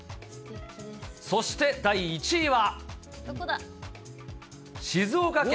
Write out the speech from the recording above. そして第１位は。